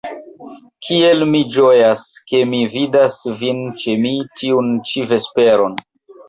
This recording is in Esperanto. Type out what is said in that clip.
Kiel mi ĝojas, ke mi vidas vin ĉe mi tiun ĉi vesperon.